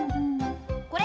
これ？